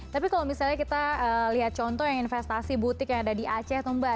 tapi kalau misalnya kita lihat contoh yang investasi butik yang ada di aceh tuh mbak